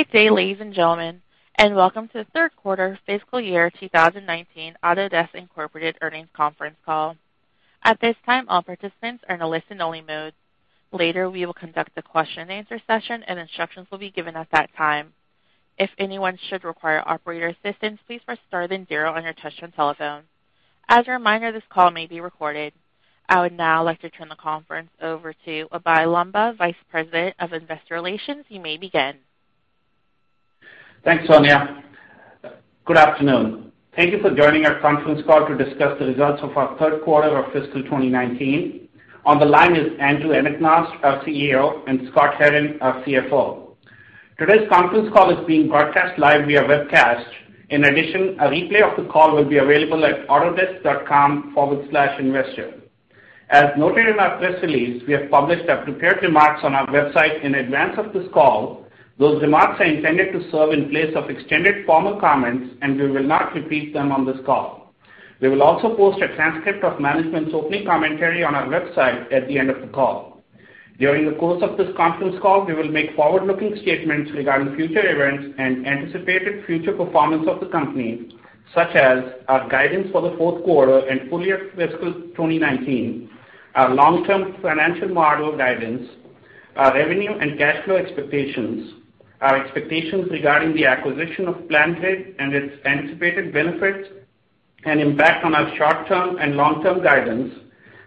Good day, ladies and gentlemen, and welcome to the third quarter fiscal year 2019 Autodesk, Inc. earnings conference call. At this time, all participants are in a listen-only mode. Later, we will conduct a question-and-answer session, and instructions will be given at that time. If anyone should require operator assistance, please press star then zero on your touch-tone telephone. As a reminder, this call may be recorded. I would now like to turn the conference over to Abhey Lamba, Vice President of Investor Relations. You may begin. Thanks, Sonia. Good afternoon. Thank you for joining our conference call to discuss the results of our third quarter of fiscal 2019. On the line is Andrew Anagnost, our CEO, and Scott Herren, our CFO. Today's conference call is being broadcast live via webcast. In addition, a replay of the call will be available at autodesk.com/investor. As noted in our press release, we have published our prepared remarks on our website in advance of this call. Those remarks are intended to serve in place of extended formal comments, and we will not repeat them on this call. We will also post a transcript of management's opening commentary on our website at the end of the call. During the course of this conference call, we will make forward-looking statements regarding future events and anticipated future performance of the company, such as our guidance for the fourth quarter and full year fiscal 2019, our long-term financial model guidance, our revenue and cash flow expectations, our expectations regarding the acquisition of PlanGrid and its anticipated benefits and impact on our short-term and long-term guidance,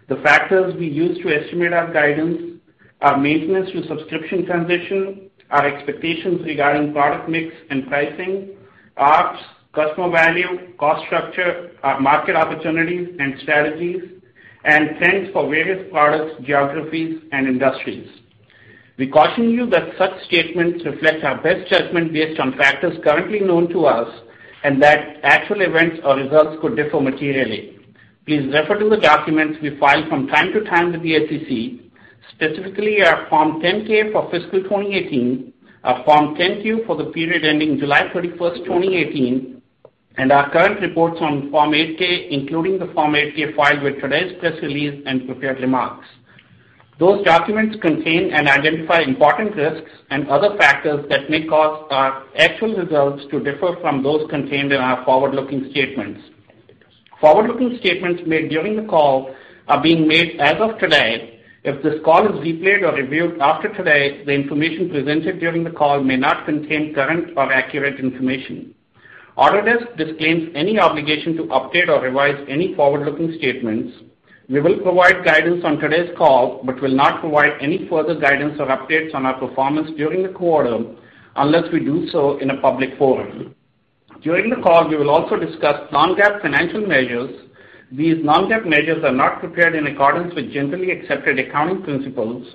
the factors we use to estimate our guidance, our maintenance to subscription transition, our expectations regarding product mix and pricing, ops, customer value, cost structure, our market opportunities and strategies, and trends for various products, geographies, and industries. We caution you that such statements reflect our best judgment based on factors currently known to us, and that actual events or results could differ materially. Please refer to the documents we file from time to time with the SEC, specifically our Form 10-K for fiscal 2018, our Form 10-Q for the period ending July 31st, 2018, and our current reports on Form 8-K, including the Form 8-K filed with today's press release and prepared remarks. Those documents contain and identify important risks and other factors that may cause our actual results to differ from those contained in our forward-looking statements. Forward-looking statements made during the call are being made as of today. If this call is replayed or reviewed after today, the information presented during the call may not contain current or accurate information. Autodesk disclaims any obligation to update or revise any forward-looking statements. We will provide guidance on today's call, but will not provide any further guidance or updates on our performance during the quarter unless we do so in a public forum. During the call, we will also discuss non-GAAP financial measures. These non-GAAP measures are not prepared in accordance with generally accepted accounting principles.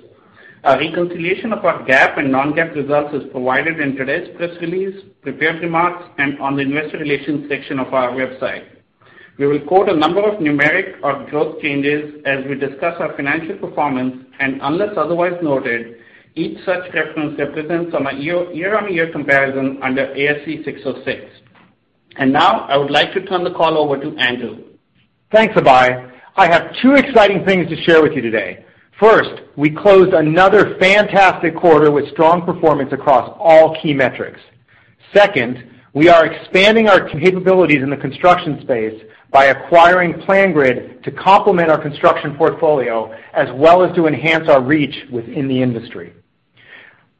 Our reconciliation of our GAAP and non-GAAP results is provided in today's press release, prepared remarks, and on the investor relations section of our website. We will quote a number of numeric or growth changes as we discuss our financial performance, and unless otherwise noted, each such reference represents our year-on-year comparison under ASC 606. Now, I would like to turn the call over to Andrew. Thanks, Abhey. I have two exciting things to share with you today. First, we closed another fantastic quarter with strong performance across all key metrics. Second, we are expanding our capabilities in the construction space by acquiring PlanGrid to complement our construction portfolio, as well as to enhance our reach within the industry.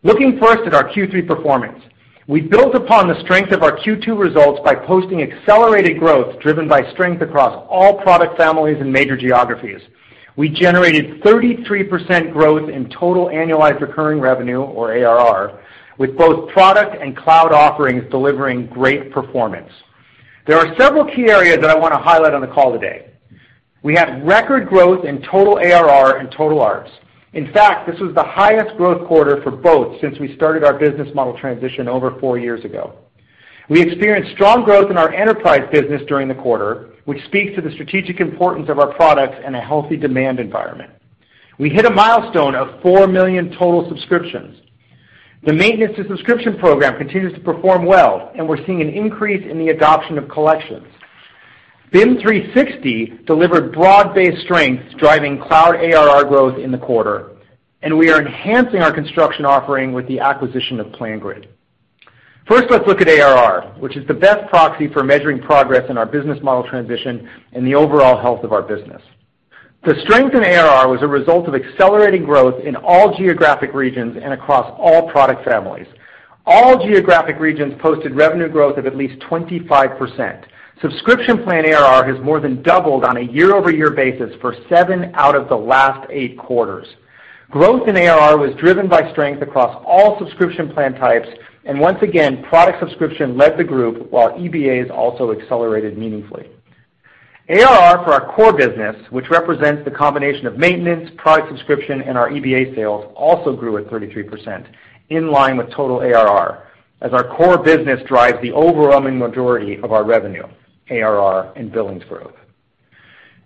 Looking first at our Q3 performance, we built upon the strength of our Q2 results by posting accelerated growth driven by strength across all product families and major geographies. We generated 33% growth in total annualized recurring revenue, or ARR, with both product and cloud offerings delivering great performance. There are several key areas that I want to highlight on the call today. We had record growth in total ARR and total ARPS. In fact, this was the highest growth quarter for both since we started our business model transition over four years ago. We experienced strong growth in our enterprise business during the quarter, which speaks to the strategic importance of our products in a healthy demand environment. We hit a milestone of 4 million total subscriptions. The maintenance to subscription program continues to perform well, and we're seeing an increase in the adoption of collections. BIM 360 delivered broad-based strengths driving cloud ARR growth in the quarter, and we are enhancing our construction offering with the acquisition of PlanGrid. First, let's look at ARR, which is the best proxy for measuring progress in our business model transition and the overall health of our business. The strength in ARR was a result of accelerating growth in all geographic regions and across all product families. All geographic regions posted revenue growth of at least 25%. Subscription plan ARR has more than doubled on a year-over-year basis for seven out of the last eight quarters. Growth in ARR was driven by strength across all subscription plan types, and once again, product subscription led the group while EBAs also accelerated meaningfully. ARR for our core business, which represents the combination of maintenance, product subscription, and our EBA sales, also grew at 33%, in line with total ARR, as our core business drives the overwhelming majority of our revenue, ARR, and billings growth.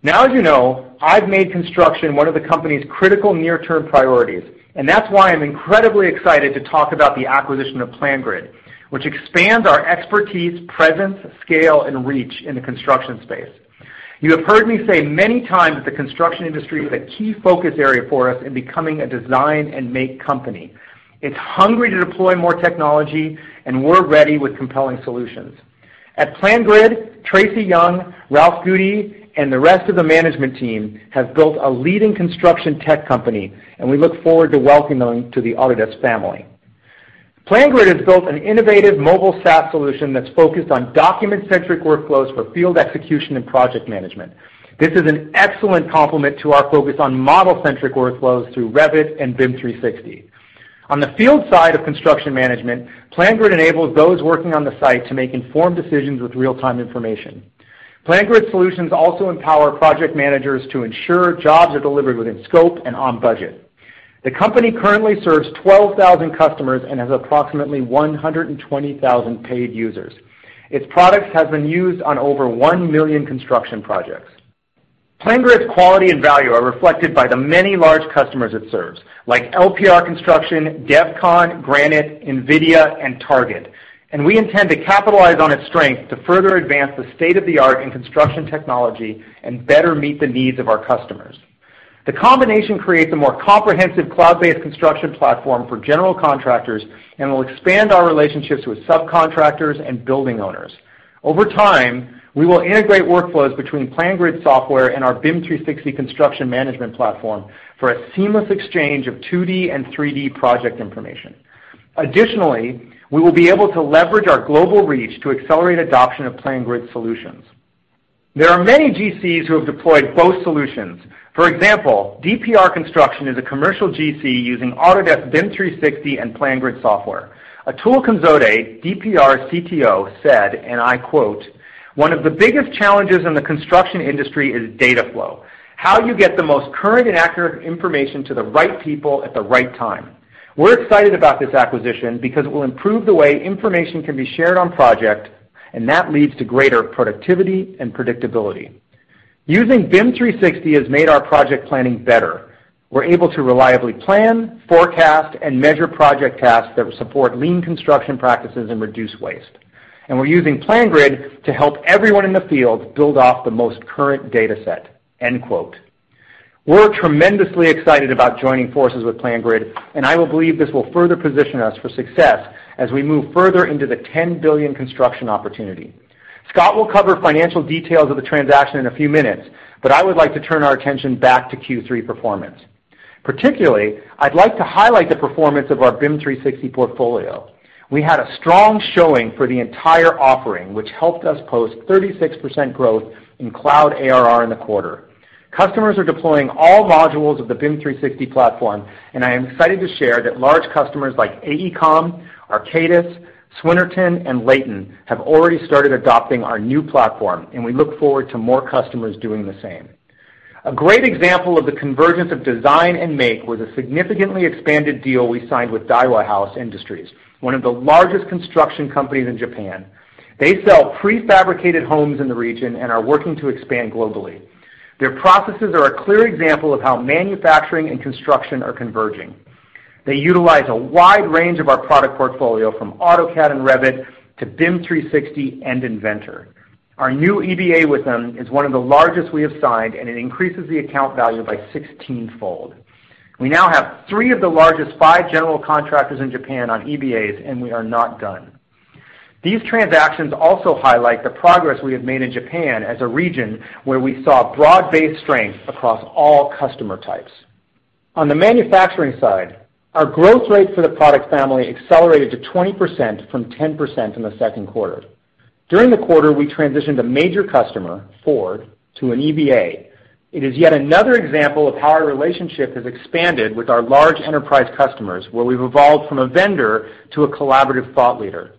As you know, I've made construction one of the company's critical near-term priorities, and that's why I'm incredibly excited to talk about the acquisition of PlanGrid, which expands our expertise, presence, scale, and reach in the construction space. You have heard me say many times that the construction industry is a key focus area for us in becoming a design and make company. It's hungry to deploy more technology, and we're ready with compelling solutions. At PlanGrid, Tracy Young, Ralph Gootee, and the rest of the management team have built a leading construction tech company, and we look forward to welcoming them to the Autodesk family. PlanGrid has built an innovative mobile SaaS solution that is focused on document-centric workflows for field execution and project management. This is an excellent complement to our focus on model-centric workflows through Revit and BIM 360. On the field side of construction management, PlanGrid enables those working on the site to make informed decisions with real-time information. PlanGrid solutions also empower project managers to ensure jobs are delivered within scope and on budget. The company currently serves 12,000 customers and has approximately 120,000 paid users. Its products have been used on over 1 million construction projects. PlanGrid's quality and value are reflected by the many large customers it serves, like DPR Construction, Devcon Construction, Granite Construction, Nvidia, and Target. We intend to capitalize on its strength to further advance the state-of-the-art in construction technology and better meet the needs of our customers. The combination creates a more comprehensive cloud-based construction platform for general contractors and will expand our relationships with subcontractors and building owners. Over time, we will integrate workflows between PlanGrid software and our BIM 360 construction management platform for a seamless exchange of 2D and 3D project information. Additionally, we will be able to leverage our global reach to accelerate adoption of PlanGrid solutions. There are many GCs who have deployed both solutions. For example, DPR Construction is a commercial GC using Autodesk BIM 360 and PlanGrid software. Atul Khanzode, DPR CTO, said, and I quote, "One of the biggest challenges in the construction industry is data flow. How you get the most current and accurate information to the right people at the right time. We are excited about this acquisition because it will improve the way information can be shared on project, and that leads to greater productivity and predictability. Using BIM 360 has made our project planning better. We are able to reliably plan, forecast, and measure project tasks that support lean construction practices and reduce waste. And we are using PlanGrid to help everyone in the field build off the most current data set." End quote. We are tremendously excited about joining forces with PlanGrid, and I believe this will further position us for success as we move further into the $10 billion construction opportunity. Scott will cover financial details of the transaction in a few minutes, but I would like to turn our attention back to Q3 performance. Particularly, I would like to highlight the performance of our BIM 360 portfolio. We had a strong showing for the entire offering, which helped us post 36% growth in cloud ARR in the quarter. Customers are deploying all modules of the BIM 360 platform, and I am excited to share that large customers like AECOM, Arcadis, Swinerton, and Layton have already started adopting our new platform, and we look forward to more customers doing the same. A great example of the convergence of design and make was a significantly expanded deal we signed with Daiwa House Industries, one of the largest construction companies in Japan. They sell prefabricated homes in the region and are working to expand globally. Their processes are a clear example of how manufacturing and construction are converging. They utilize a wide range of our product portfolio, from AutoCAD and Revit to BIM 360 and Inventor. Our new EBA with them is one of the largest we have signed, and it increases the account value by 16-fold. We now have three of the largest five general contractors in Japan on EBAs, and we are not done. These transactions also highlight the progress we have made in Japan as a region where we saw broad-based strength across all customer types. On the manufacturing side, our growth rate for the product family accelerated to 20% from 10% in the second quarter. During the quarter, we transitioned a major customer, Ford, to an EBA. It is yet another example of how our relationship has expanded with our large enterprise customers, where we've evolved from a vendor to a collaborative thought leader.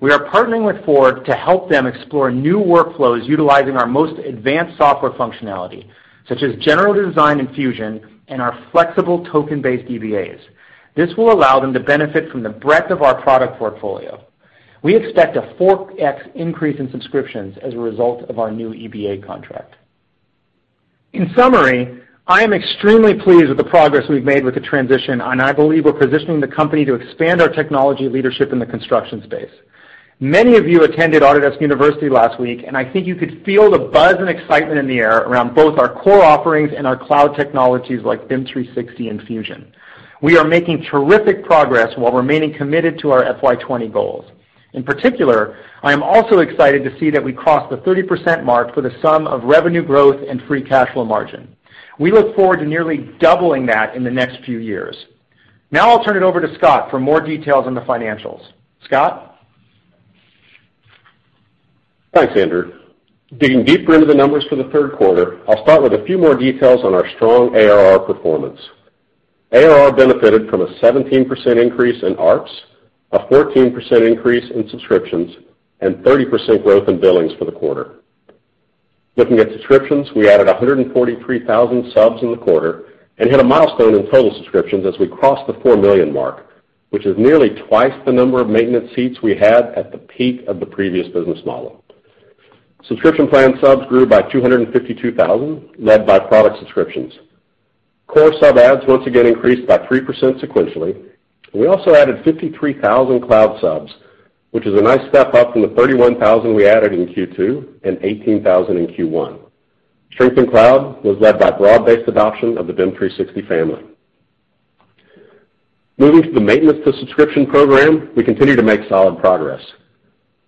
We are partnering with Ford to help them explore new workflows utilizing our most advanced software functionality, such as generative design in Fusion and our flexible token-based EBAs. This will allow them to benefit from the breadth of our product portfolio. We expect a 4x increase in subscriptions as a result of our new EBA contract. In summary, I am extremely pleased with the progress we've made with the transition, and I believe we're positioning the company to expand our technology leadership in the construction space. Many of you attended Autodesk University last week, and I think you could feel the buzz and excitement in the air around both our core offerings and our cloud technologies like BIM 360 and Fusion. We are making terrific progress while remaining committed to our FY 2020 goals. In particular, I am also excited to see that we crossed the 30% mark for the sum of revenue growth and free cash flow margin. We look forward to nearly doubling that in the next few years. Now I'll turn it over to Scott for more details on the financials. Scott? Thanks, Andrew. Digging deeper into the numbers for the third quarter, I'll start with a few more details on our strong ARR performance. ARR benefited from a 17% increase in ARPS, a 14% increase in subscriptions, and 30% growth in billings for the quarter. Looking at subscriptions, we added 143,000 subs in the quarter and hit a milestone in total subscriptions as we crossed the 4 million mark, which is nearly twice the number of maintenance seats we had at the peak of the previous business model. Subscription plan subs grew by 252,000, led by product subscriptions. Core sub adds once again increased by 3% sequentially. We also added 53,000 cloud subs, which is a nice step up from the 31,000 we added in Q2 and 18,000 in Q1. Strength in cloud was led by broad-based adoption of the BIM 360 family. Moving to the maintenance to subscription program, we continue to make solid progress.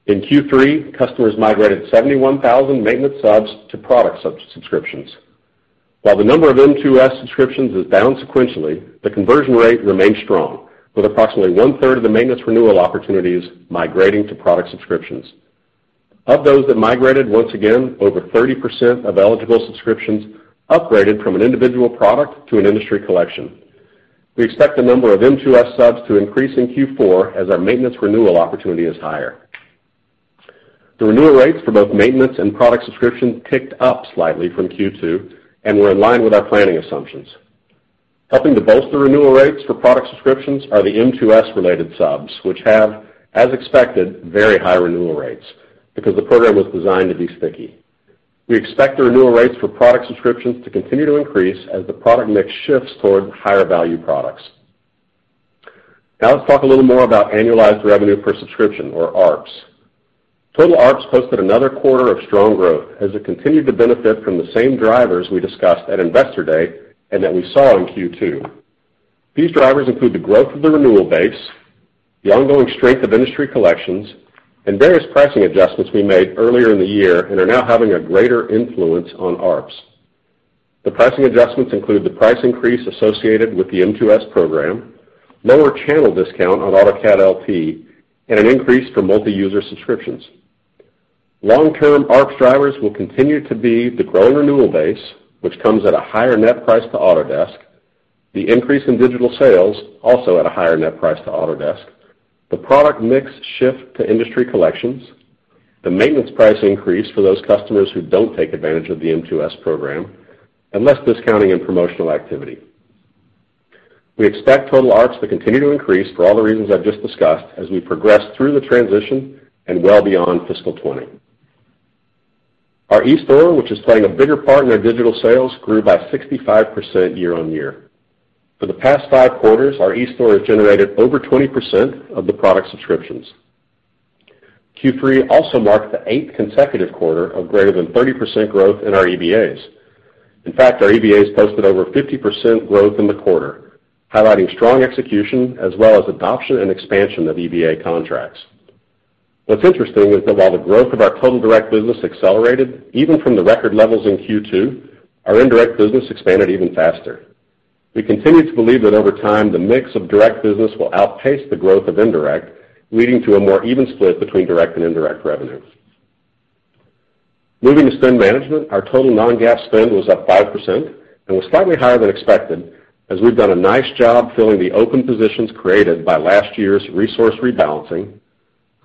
In Q3, customers migrated 71,000 maintenance subs to product subscriptions. While the number of M2S subscriptions is down sequentially, the conversion rate remains strong, with approximately 1/3 of the maintenance renewal opportunities migrating to product subscriptions. Of those that migrated, once again, over 30% of eligible subscriptions upgraded from an individual product to an industry collection. We expect the number of M2S subs to increase in Q4 as our maintenance renewal opportunity is higher. The renewal rates for both maintenance and product subscription ticked up slightly from Q2 and were in line with our planning assumptions. Helping to bolster renewal rates for product subscriptions are the M2S-related subs, which have, as expected, very high renewal rates because the program was designed to be sticky. We expect the renewal rates for product subscriptions to continue to increase as the product mix shifts towards higher value products. Now let's talk a little more about annualized revenue per subscription or ARPS. Total ARPS posted another quarter of strong growth as it continued to benefit from the same drivers we discussed at Investor Day and that we saw in Q2. These drivers include the growth of the renewal base, the ongoing strength of industry collections, and various pricing adjustments we made earlier in the year and are now having a greater influence on ARPS. The pricing adjustments include the price increase associated with the M2S program, lower channel discount on AutoCAD LT, and an increase for multi-user subscriptions. Long-term ARPS drivers will continue to be the growing renewal base, which comes at a higher net price to Autodesk, the increase in digital sales also at a higher net price to Autodesk, the product mix shift to industry collections, the maintenance price increase for those customers who don't take advantage of the M2S program, and less discounting and promotional activity. We expect total ARPS to continue to increase for all the reasons I've just discussed as we progress through the transition and well beyond fiscal 2020. Our eStore, which is playing a bigger part in our digital sales, grew by 65% year-on-year. For the past five quarters, our eStore has generated over 20% of the product subscriptions. Q3 also marked the eighth consecutive quarter of greater than 30% growth in our EBAs. In fact, our EBAs posted over 50% growth in the quarter, highlighting strong execution as well as adoption and expansion of EBA contracts. What's interesting is that while the growth of our total direct business accelerated, even from the record levels in Q2, our indirect business expanded even faster. We continue to believe that over time, the mix of direct business will outpace the growth of indirect, leading to a more even split between direct and indirect revenue. Moving to spend management, our total non-GAAP spend was up 5% and was slightly higher than expected as we've done a nice job filling the open positions created by last year's resource rebalancing.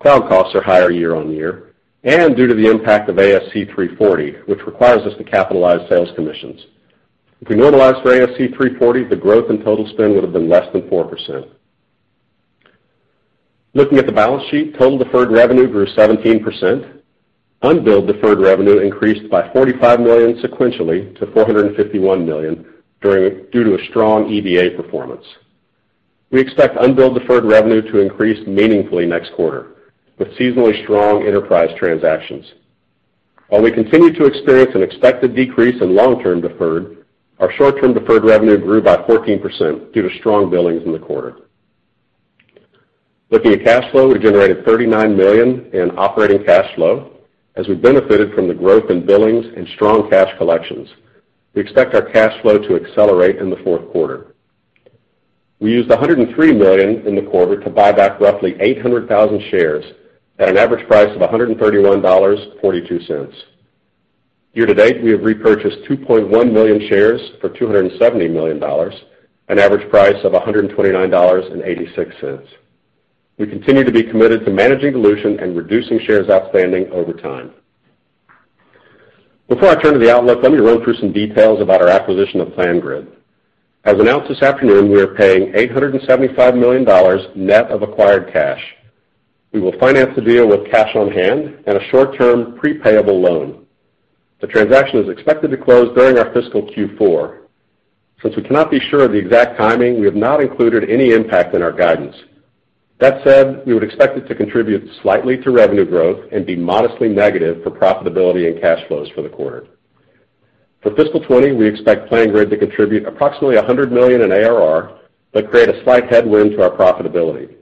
Cloud costs are higher year-on-year and due to the impact of ASC 340, which requires us to capitalize sales commissions. If we normalize for ASC 340, the growth in total spend would've been less than 4%. Looking at the balance sheet, total deferred revenue grew 17%. Unbilled deferred revenue increased by $45 million sequentially to $451 million due to a strong EBA performance. We expect unbilled deferred revenue to increase meaningfully next quarter with seasonally strong enterprise transactions. While we continue to experience an expected decrease in long-term deferred, our short-term deferred revenue grew by 14% due to strong billings in the quarter. Looking at cash flow, we generated $39 million in operating cash flow as we benefited from the growth in billings and strong cash collections. We expect our cash flow to accelerate in the fourth quarter. We used $103 million in the quarter to buy back roughly 800,000 shares at an average price of $131.42. Year to date, we have repurchased 2.1 million shares for $270 million, an average price of $129.86. We continue to be committed to managing dilution and reducing shares outstanding over time. Before I turn to the outlook, let me roll through some details about our acquisition of PlanGrid. As announced this afternoon, we are paying $875 million net of acquired cash. We will finance the deal with cash on hand and a short-term pre-payable loan. The transaction is expected to close during our fiscal Q4. Since we cannot be sure of the exact timing, we have not included any impact in our guidance. That said, we would expect it to contribute slightly to revenue growth and be modestly negative for profitability and cash flows for the quarter. For fiscal 2020, we expect PlanGrid to contribute approximately $100 million in ARR but create a slight headwind to our profitability.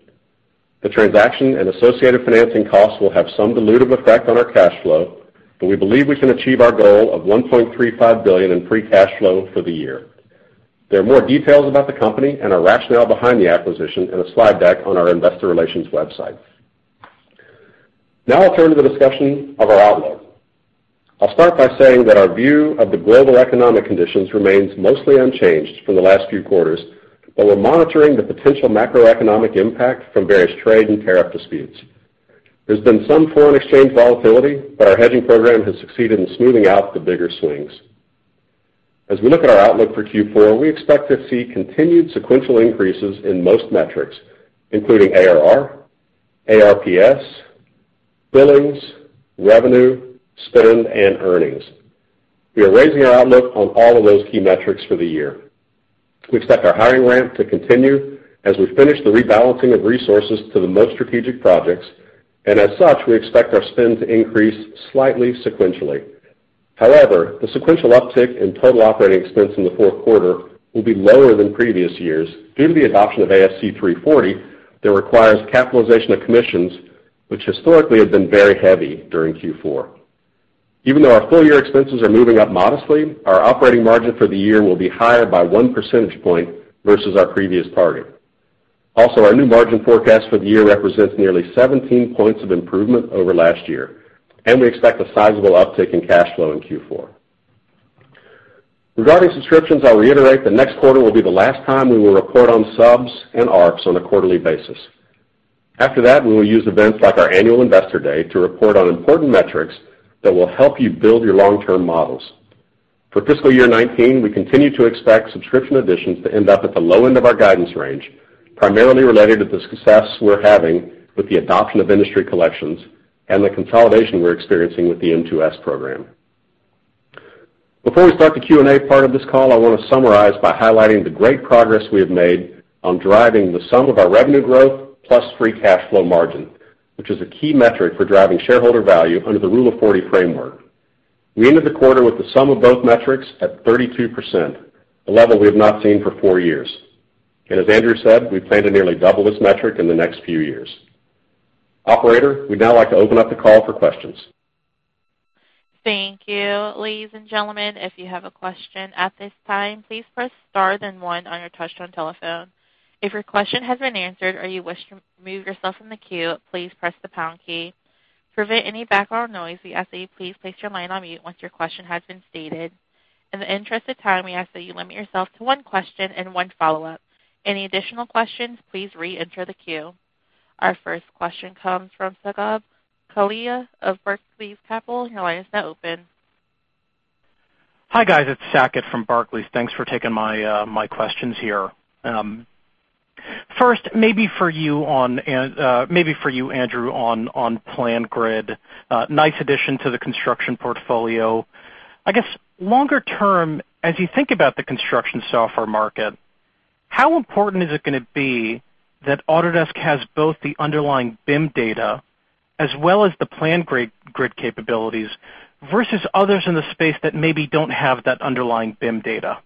The transaction and associated financing costs will have some dilutive effect on our cash flow, but we believe we can achieve our goal of $1.35 billion in free cash flow for the year. There are more details about the company and our rationale behind the acquisition in a slide deck on our investor relations website. I'll turn to the discussion of our outlook. I'll start by saying that our view of the global economic conditions remains mostly unchanged from the last few quarters, but we're monitoring the potential macroeconomic impact from various trade and tariff disputes. There's been some foreign exchange volatility, but our hedging program has succeeded in smoothing out the bigger swings. As we look at our outlook for Q4, we expect to see continued sequential increases in most metrics, including ARR, ARPS, Billings, revenue, spend, and earnings. We are raising our outlook on all of those key metrics for the year. We expect our hiring ramp to continue as we finish the rebalancing of resources to the most strategic projects. As such, we expect our spend to increase slightly sequentially. However, the sequential uptick in total operating expense in the fourth quarter will be lower than previous years due to the adoption of ASC 340 that requires capitalization of commissions, which historically have been very heavy during Q4. Even though our full-year expenses are moving up modestly, our operating margin for the year will be higher by one percentage point versus our previous target. Also, our new margin forecast for the year represents nearly 17 points of improvement over last year, and we expect a sizable uptick in cash flow in Q4. Regarding subscriptions, I'll reiterate that next quarter will be the last time we will report on subs and ARPS on a quarterly basis. After that, we will use events like our annual investor day to report on important metrics that will help you build your long-term models. For fiscal year 2019, we continue to expect subscription additions to end up at the low end of our guidance range, primarily related to the success we're having with the adoption of industry collections and the consolidation we're experiencing with the M2S program. Before we start the Q&A part of this call, I want to summarize by highlighting the great progress we have made on driving the sum of our revenue growth plus free cash flow margin, which is a key metric for driving shareholder value under the Rule of 40 framework. We ended the quarter with the sum of both metrics at 32%, a level we have not seen for four years. As Andrew said, we plan to nearly double this metric in the next few years. Operator, we'd now like to open up the call for questions. Thank you. Ladies and gentlemen, if you have a question at this time, please press star then one on your touchtone telephone. If your question has been answered or you wish to remove yourself from the queue, please press the pound key. To prevent any background noise, we ask that you please place your line on mute once your question has been stated. In the interest of time, we ask that you limit yourself to one question and one follow-up. Any additional questions, please reenter the queue. Our first question comes from Saket Kalia of Barclays Capital. Your line is now open. Hi, guys. It's Saket from Barclays Capital. Thanks for taking my questions here. First, maybe for you, Andrew, on PlanGrid. Nice addition to the construction portfolio. I guess longer term, as you think about the construction software market, how important is it going to be that Autodesk has both the underlying BIM data as well as the PlanGrid capabilities versus others in the space that maybe don't have that underlying BIM data?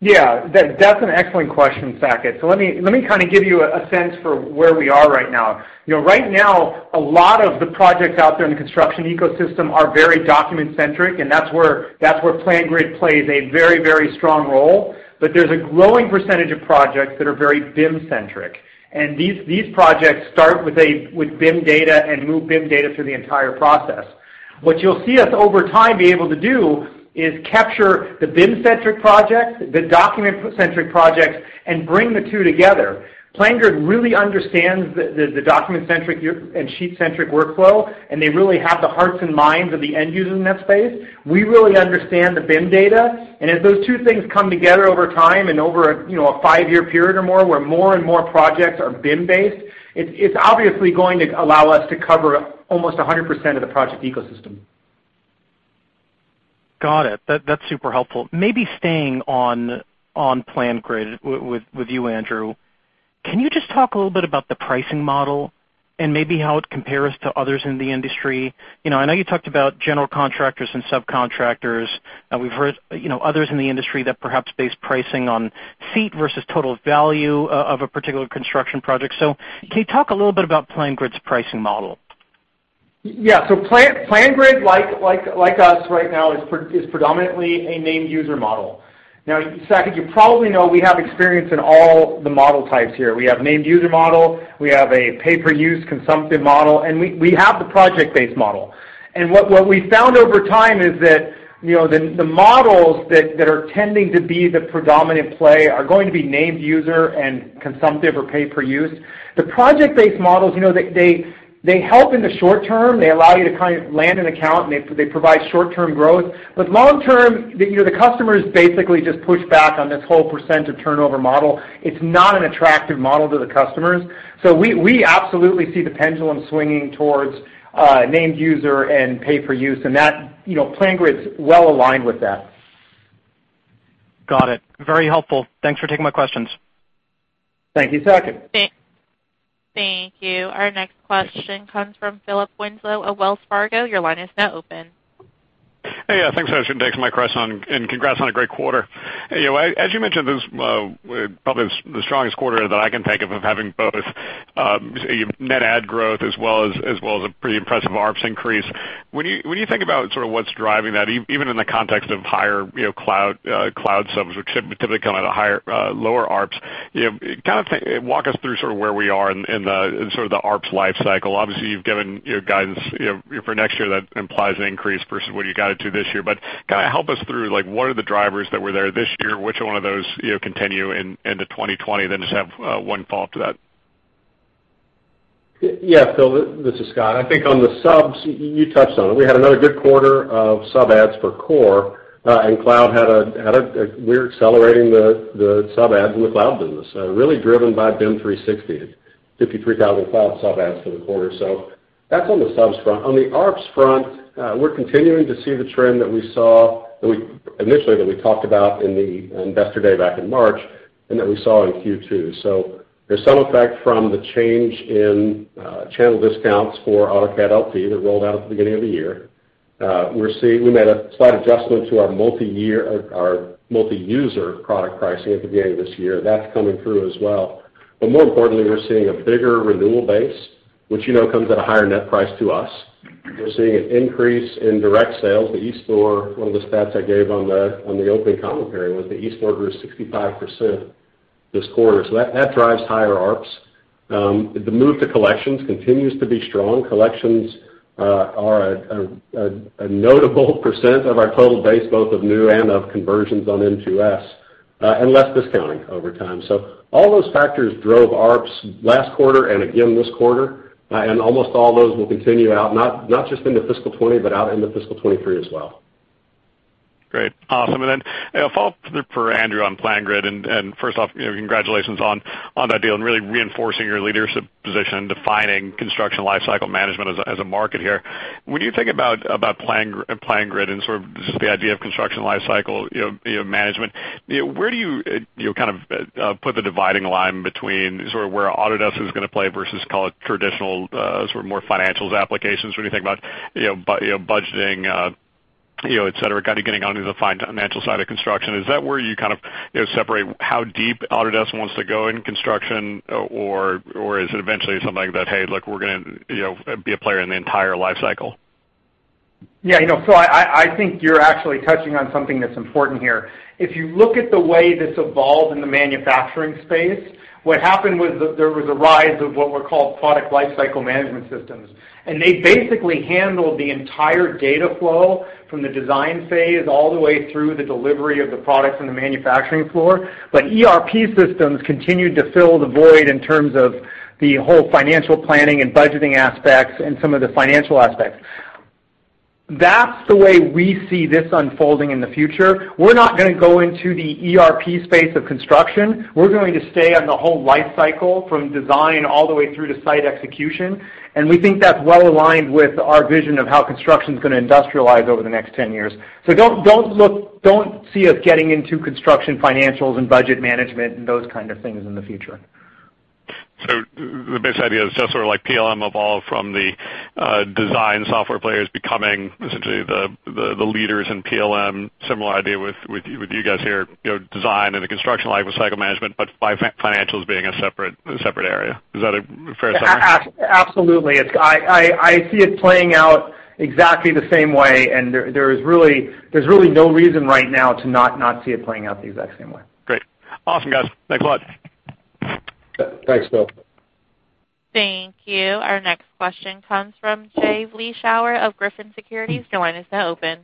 Yeah. That's an excellent question, Saket. Let me give you a sense for where we are right now. Right now, a lot of the projects out there in the construction ecosystem are very document-centric, and that's where PlanGrid plays a very strong role. There's a growing percentage of projects that are very BIM-centric, and these projects start with BIM data and move BIM data through the entire process. What you'll see us over time be able to do is capture the BIM-centric projects, the document-centric projects, and bring the two together. PlanGrid really understands the document-centric and sheet-centric workflow, and they really have the hearts and minds of the end user in that space. We really understand the BIM data, as those two things come together over time and over a five-year period or more, where more and more projects are BIM-based, it's obviously going to allow us to cover almost 100% of the project ecosystem. Got it. That's super helpful. Maybe staying on PlanGrid with you, Andrew. Can you just talk a little bit about the pricing model and maybe how it compares to others in the industry? I know you talked about general contractors and subcontractors. We've heard others in the industry that perhaps base pricing on seat versus total value of a particular construction project. Can you talk a little bit about PlanGrid's pricing model? Yeah. PlanGrid, like us right now, is predominantly a named-user model. Now, Saket, you probably know we have experience in all the model types here. We have named-user model, we have a pay-per-use consumptive model, and we have the project-based model. What we found over time is that the models that are tending to be the predominant play are going to be named-user and consumptive or pay-per-use. The project-based models, they help in the short term. They allow you to land an account, and they provide short-term growth. Long term, the customers basically just push back on this whole % of turnover model. It's not an attractive model to the customers. We absolutely see the pendulum swinging towards named-user and pay-per-use, and PlanGrid's well-aligned with that. Got it. Very helpful. Thanks for taking my questions. Thank you, Saket. Thank you. Our next question comes from Philip Winslow of Wells Fargo. Your line is now open. Hey. Thanks, guys, for taking my question, and congrats on a great quarter. As you mentioned, this probably the strongest quarter that I can think of of having both net add growth as well as a pretty impressive ARPS increase. When you think about what's driving that, even in the context of higher cloud subs, which typically come at a lower ARPS, walk us through where we are in the ARPS life cycle. Obviously, you've given your guidance for next year that implies an increase versus what you guided to this year. Help us through what are the drivers that were there this year, which one of those continue into 2020? Just have one follow-up to that. Yeah, Phil, this is Scott. I think on the subs, you touched on it. We had another good quarter of sub adds for core, and we're accelerating the sub adds in the cloud business, really driven by BIM 360. 53,000 cloud subs for the quarter. That's on the subs front. On the ARPS front, we're continuing to see the trend that we saw initially, that we talked about in the investor day back in March, and that we saw in Q2. There's some effect from the change in channel discounts for AutoCAD LT that rolled out at the beginning of the year. We made a slight adjustment to our multi-user product pricing at the beginning of this year. That's coming through as well. More importantly, we're seeing a bigger renewal base, which you know comes at a higher net price to us. We're seeing an increase in direct sales. The eStore, one of the stats I gave on the opening commentary was the eStore grew 65% this quarter. That drives higher ARPS. The move to collections continues to be strong. Collections are a notable percent of our total base, both of new and of conversions on M2S, and less discounting over time. All those factors drove ARPS last quarter and again this quarter, and almost all those will continue out, not just into fiscal 2020, but out into fiscal 2023 as well. Great. Awesome. Then a follow-up for Andrew on PlanGrid. First off, congratulations on that deal and really reinforcing your leadership position, defining construction lifecycle management as a market here. When you think about PlanGrid and sort of just the idea of construction lifecycle management, where do you put the dividing line between sort of where Autodesk is going to play versus call it traditional, sort of more financials applications. When you think about budgeting, et cetera, kind of getting onto the financial side of construction, is that where you kind of separate how deep Autodesk wants to go in construction, or is it eventually something that, hey, look, we're going to be a player in the entire lifecycle? Yeah. I think you're actually touching on something that's important here. If you look at the way this evolved in the manufacturing space, what happened was that there was a rise of what were called product lifecycle management systems, and they basically handled the entire data flow from the design phase all the way through the delivery of the products on the manufacturing floor. ERP systems continued to fill the void in terms of the whole financial planning and budgeting aspects and some of the financial aspects. That's the way we see this unfolding in the future. We're not going to go into the ERP space of construction. We're going to stay on the whole lifecycle from design all the way through to site execution, and we think that's well-aligned with our vision of how construction's going to industrialize over the next 10 years. Don't see us getting into construction financials and budget management and those kind of things in the future. The base idea is just sort of like PLM evolved from the design software players becoming essentially the leaders in PLM. Similar idea with you guys here, design and the construction lifecycle management, but financials being a separate area. Is that a fair summary? Absolutely. I see it playing out exactly the same way, and there's really no reason right now to not see it playing out the exact same way. Great. Awesome, guys. Thanks a lot. Thanks, Phil. Thank you. Our next question comes from Jay Vleeschhouwer of Griffin Securities. Your line is now open.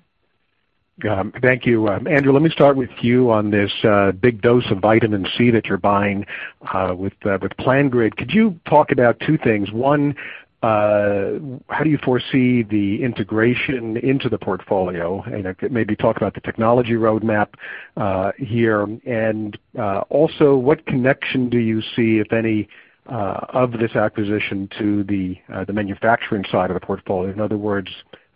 Thank you. Andrew, let me start with you on this big dose of vitamin C that you're buying with PlanGrid. Could you talk about two things? One, how do you foresee the integration into the portfolio, and maybe talk about the technology roadmap here. What connection do you see, if any, of this acquisition to the manufacturing side of the portfolio? In other words,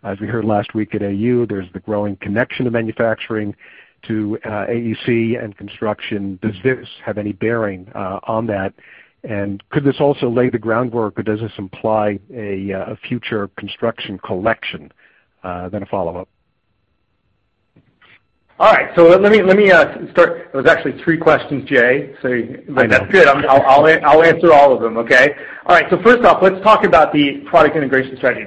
as we heard last week at AU, there's the growing connection to manufacturing to AEC and construction. Does this have any bearing on that? Could this also lay the groundwork, or does this imply a future construction collection? A follow-up. All right. Let me start. It was actually three questions, Jay. I know. That's good. I'll answer all of them, okay? All right. First off, let's talk about the product integration strategy.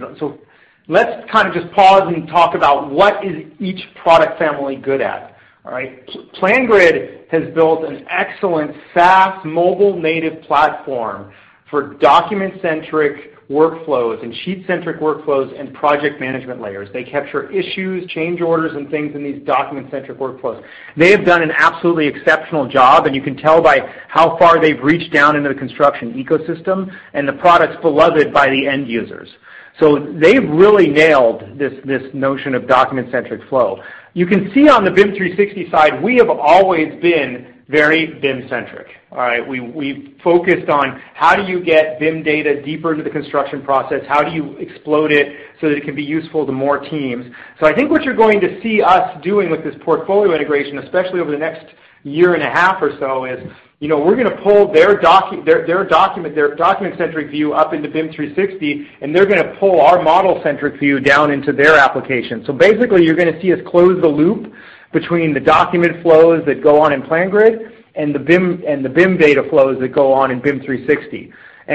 Let's kind of just pause and talk about what is each product family good at, all right? PlanGrid has built an excellent SaaS mobile native platform for document-centric workflows and sheet-centric workflows and project management layers. They capture issues, change orders, and things in these document-centric workflows. They have done an absolutely exceptional job, and you can tell by how far they've reached down into the construction ecosystem, and the product's beloved by the end users. They've really nailed this notion of document-centric flow. You can see on the BIM 360 side, we have always been very BIM-centric. All right? We've focused on how do you get BIM data deeper into the construction process, how do you explode it so that it can be useful to more teams. I think what you're going to see us doing with this portfolio integration, especially over the next year and a half or so, is we're going to pull their document-centric view up into BIM 360, and they're going to pull our model-centric view down into their application. Basically, you're going to see us close the loop between the document flows that go on in PlanGrid and the BIM data flows that go on in BIM 360.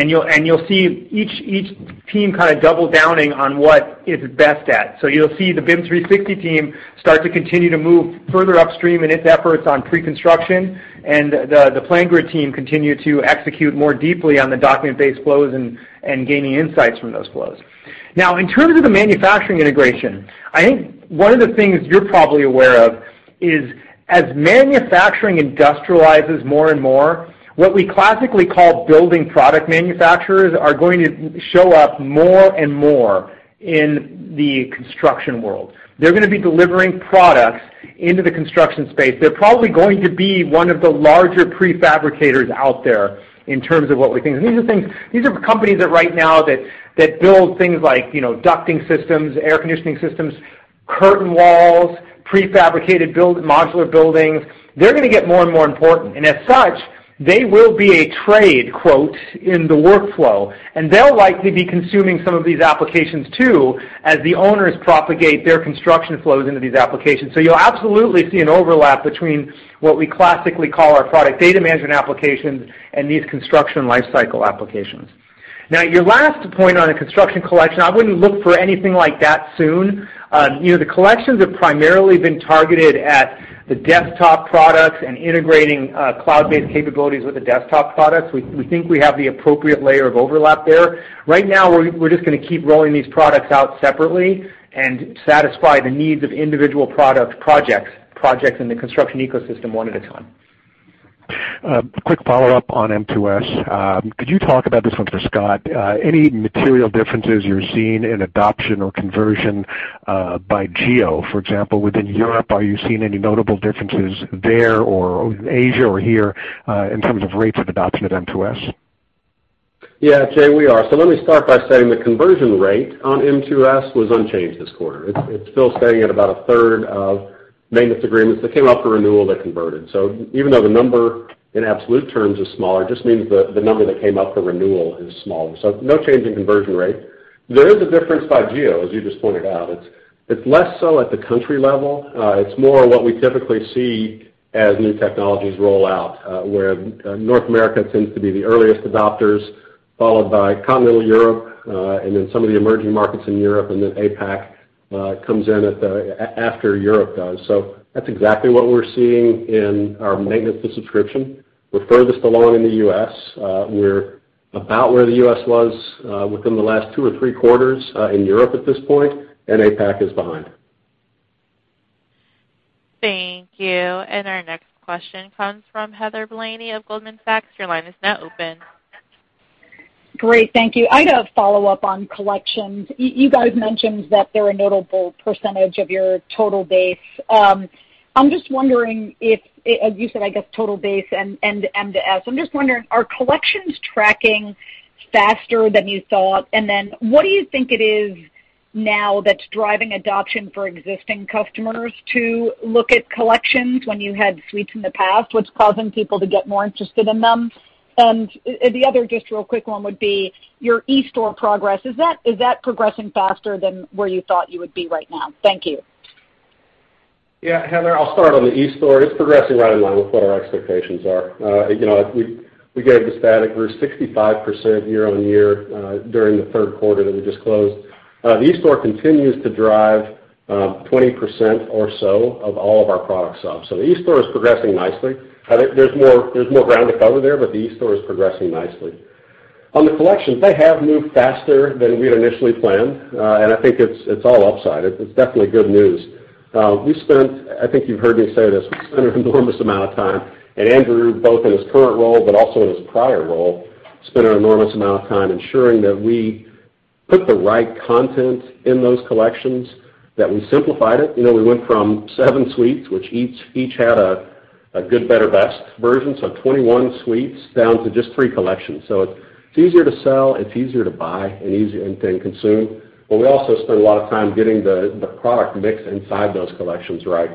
You'll see each team kind of double-downing on what it's best at. You'll see the BIM 360 team start to continue to move further upstream in its efforts on pre-construction, and the PlanGrid team continue to execute more deeply on the document-based flows and gaining insights from those flows. Now, in terms of the manufacturing integration, I think one of the things you're probably aware of is as manufacturing industrializes more and more, what we classically call building product manufacturers are going to show up more and more in the construction world. They're going to be delivering products into the construction space. They're probably going to be one of the larger pre-fabricators out there in terms of what we think. These are companies right now that build things like ducting systems, air conditioning systems, curtain walls, pre-fabricated modular buildings. They're going to get more and more important, and as such, they will be a trade, quote, in the workflow, and they'll likely be consuming some of these applications too, as the owners propagate their construction flows into these applications. You'll absolutely see an overlap between what we classically call our product data management applications and these construction life cycle applications. Your last point on a construction collection, I wouldn't look for anything like that soon. The collections have primarily been targeted at the desktop products and integrating cloud-based capabilities with the desktop products. We think we have the appropriate layer of overlap there. We're just going to keep rolling these products out separately and satisfy the needs of individual product projects in the construction ecosystem one at a time. A quick follow-up on M2S. Could you talk about, this one's for Scott, any material differences you're seeing in adoption or conversion by geo? For example, within Europe, are you seeing any notable differences there, or Asia or here, in terms of rates of adoption of M2S? Yeah, Jay, we are. Let me start by saying the conversion rate on M2S was unchanged this quarter. It's still staying at about a third of maintenance agreements that came up for renewal that converted. Even though the number in absolute terms is smaller, it just means the number that came up for renewal is smaller. No change in conversion rate. There is a difference by geo, as you just pointed out. It's less so at the country level. It's more what we typically see as new technologies roll out, where North America tends to be the earliest adopters, followed by continental Europe, and then some of the emerging markets in Europe, and then APAC comes in after Europe does. That's exactly what we're seeing in our maintenance to subscription. We're furthest along in the U.S. We're about where the U.S. was within the last two or three quarters in Europe at this point, and APAC is behind. Thank you. Our next question comes from Heather Bellini of Goldman Sachs. Your line is now open. Great. Thank you. I had a follow-up on collections. You guys mentioned that they're a notable percentage of your total base. I'm just wondering if, you said, I guess, total base and M2S. I'm just wondering, are collections tracking faster than you thought? What do you think it is now that's driving adoption for existing customers to look at collections when you had suites in the past? What's causing people to get more interested in them? The other just real quick one would be your eStore progress. Is that progressing faster than where you thought you would be right now? Thank you. Yeah, Heather, I'll start on the eStore. It's progressing right in line with what our expectations are. We gave the stat, it grew 65% year-on-year during the third quarter that we just closed. The eStore continues to drive 20% or so of all of our product subs. The eStore is progressing nicely. There's more ground to cover there, but the eStore is progressing nicely. On the collections, they have moved faster than we had initially planned. I think it's all upside. It's definitely good news. We spent, I think you've heard me say this, we spent an enormous amount of time, Andrew, both in his current role but also in his prior role, spent an enormous amount of time ensuring that we put the right content in those collections, that we simplified it. We went from seven suites, which each had a good, better, best version, 21 suites down to just three collections. It's easier to sell, it's easier to buy, easier to consume. We also spent a lot of time getting the product mix inside those collections right.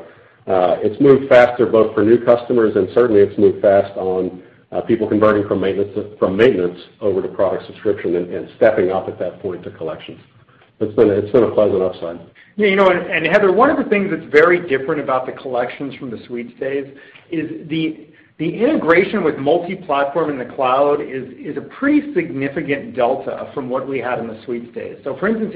It's moved faster both for new customers, certainly it's moved fast on people converting from maintenance over to product subscription and stepping up at that point to collections. It's been a pleasant upside. Yeah. Heather, one of the things that's very different about the collections from the suites days is the integration with multi-platform in the cloud is a pretty significant delta from what we had in the suites days. For instance,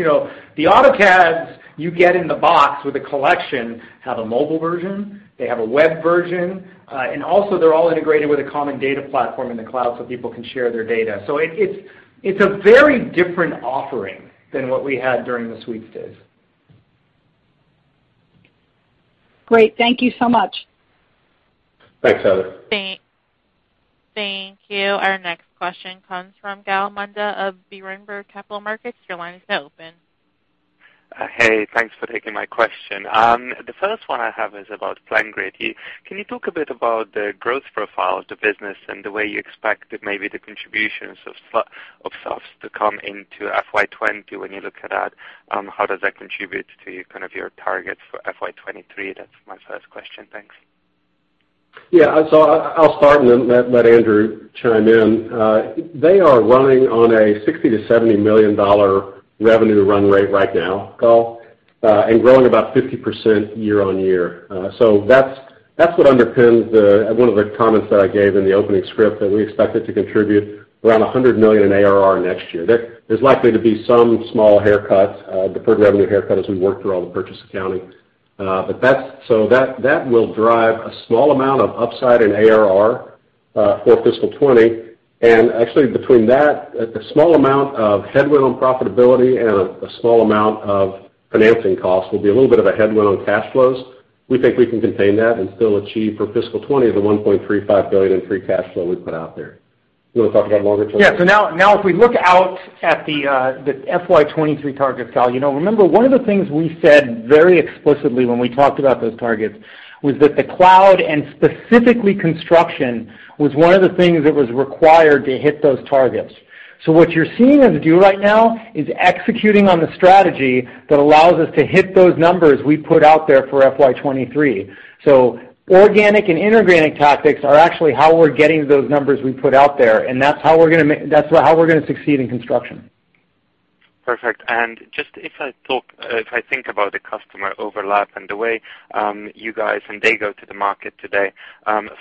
the AutoCADs you get in the box with the collection have a mobile version, they have a web version, and also they're all integrated with a common data platform in the cloud so people can share their data. It's a very different offering than what we had during the suites days. Great. Thank you so much. Thanks, Heather. Thank you. Our next question comes from Gal Munda of Berenberg Capital Markets. Your line is now open. Hey, thanks for taking my question. The first one I have is about PlanGrid. Can you talk a bit about the growth profile of the business and the way you expect maybe the contributions of subs to come into FY 2020 when you look at that? How does that contribute to your targets for FY 2023? That's my first question. Thanks. Yeah. I'll start and then let Andrew chime in. They are running on a $60 million to $70 million revenue run rate right now, Gal, and growing about 50% year-on-year. That's what underpins one of the comments that I gave in the opening script, that we expect it to contribute around $100 million in ARR next year. There's likely to be some small haircut, deferred revenue haircut, as we work through all the purchase accounting. That will drive a small amount of upside in ARR for fiscal 2020. Actually, between that, a small amount of headwind on profitability and a small amount of financing costs will be a little bit of a headwind on cash flows. We think we can contain that and still achieve, for fiscal 2020, the $1.35 billion in free cash flow we put out there. You want to talk about longer-term? Yeah. Now, if we look out at the FY 2023 targets, Gal, remember one of the things we said very explicitly when we talked about those targets was that the cloud, and specifically construction, was one of the things that was required to hit those targets. What you're seeing us do right now is executing on the strategy that allows us to hit those numbers we put out there for FY 2023. Organic and inorganic tactics are actually how we're getting those numbers we put out there, and that's how we're going to succeed in construction. Perfect. Just, if I think about the customer overlap and the way you guys and they go to the market today,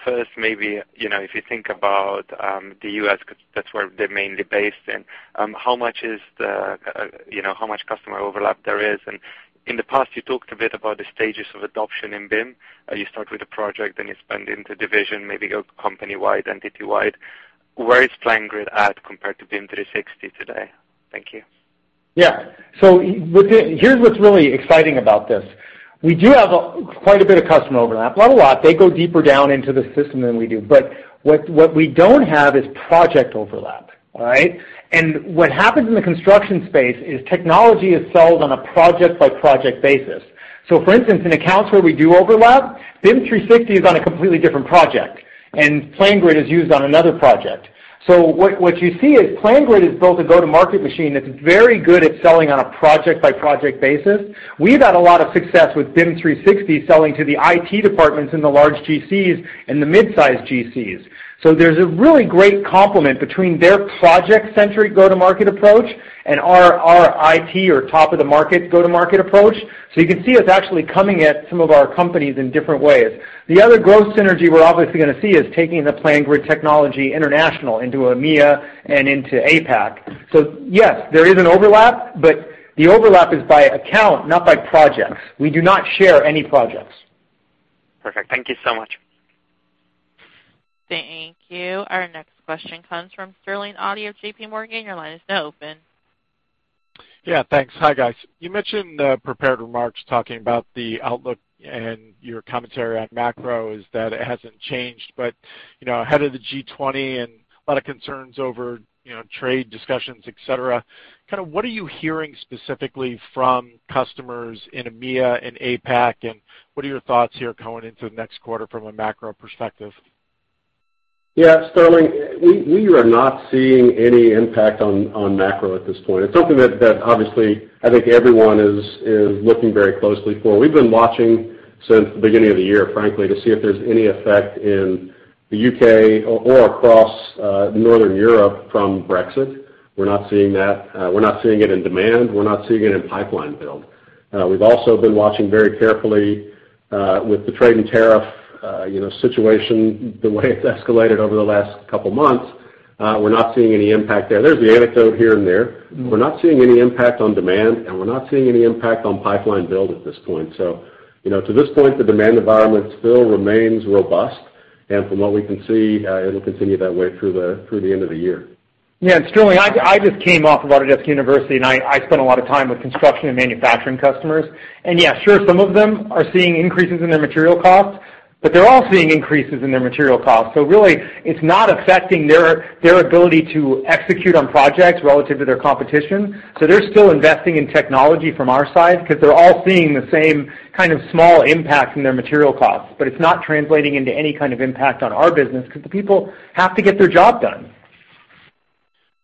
first maybe, if you think about the U.S., because that's where they're mainly based in, how much customer overlap there is? In the past, you talked a bit about the stages of adoption in BIM. You start with a project, then you expand into division, maybe go company-wide, entity-wide. Where is PlanGrid at compared to BIM 360 today? Thank you. Here's what's really exciting about this. We do have quite a bit of customer overlap, not a lot. They go deeper down into the system than we do. What we don't have is project overlap. All right? What happens in the construction space is technology is sold on a project-by-project basis. For instance, in accounts where we do overlap, BIM 360 is on a completely different project, and PlanGrid is used on another project. What you see is PlanGrid is built a go-to-market machine that's very good at selling on a project-by-project basis. We've had a lot of success with BIM 360 selling to the IT departments in the large GCs and the mid-size GCs. There's a really great complement between their project-centric go-to-market approach and our IT or top-of-the-market go-to-market approach. You can see us actually coming at some of our companies in different ways. The other growth synergy we're obviously going to see is taking the PlanGrid technology international, into EMEA and into APAC. Yes, there is an overlap, but the overlap is by account, not by project. We do not share any projects. Perfect. Thank you so much. Thank you. Our next question comes from Sterling Auty of JPMorgan. Your line is now open. Thanks. Hi, guys. You mentioned the prepared remarks, talking about the outlook and your commentary on macro is that it hasn't changed. Ahead of the G20 and a lot of concerns over trade discussions, et cetera, what are you hearing specifically from customers in EMEA and APAC, and what are your thoughts here coming into the next quarter from a macro perspective? Sterling. We are not seeing any impact on macro at this point. It's something that obviously I think everyone is looking very closely for. We've been watching since the beginning of the year, frankly, to see if there's any effect in the U.K. or across Northern Europe from Brexit. We're not seeing that. We're not seeing it in demand. We're not seeing it in pipeline build. We've also been watching very carefully with the trade and tariff situation, the way it's escalated over the last couple of months. We're not seeing any impact there. There's the anecdote here and there. We're not seeing any impact on demand, and we're not seeing any impact on pipeline build at this point. To this point, the demand environment still remains robust, and from what we can see, it'll continue that way through the end of the year. Sterling, I just came off of Autodesk University, and I spent a lot of time with construction and manufacturing customers. Sure, some of them are seeing increases in their material costs, but they're all seeing increases in their material costs. Really, it's not affecting their ability to execute on projects relative to their competition. They're still investing in technology from our side because they're all seeing the same kind of small impact in their material costs. It's not translating into any kind of impact on our business because the people have to get their job done.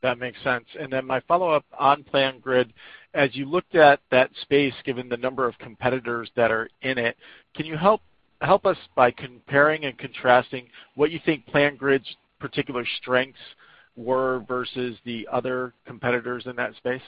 That makes sense. My follow-up on PlanGrid, as you looked at that space, given the number of competitors that are in it, can you help us by comparing and contrasting what you think PlanGrid's particular strengths were versus the other competitors in that space?